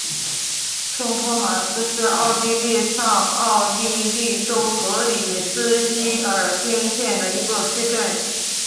圣托马斯是奥地利上奥地利州格里斯基尔兴县的一个市镇。